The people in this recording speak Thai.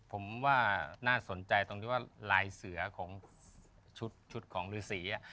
ผมว่าน่าสนใจตรงที่ว่าลายเสือของชุดของฤษี